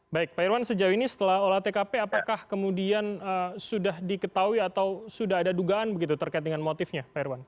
baik pak irwan sejauh ini setelah olah tkp apakah kemudian sudah diketahui atau sudah ada dugaan begitu terkait dengan motifnya pak irwan